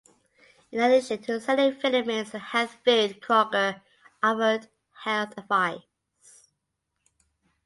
In addition to selling vitamins and health food Kroeger offered health advice.